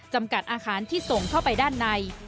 จำกัดอาหารที่ส่งเข้าไปด้านใน